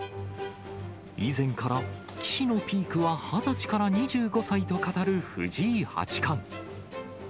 以前から、棋士のピークは２０歳から２５歳と語る藤井八冠。